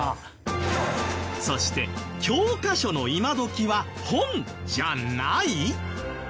そして教科書の今どきは本じゃない？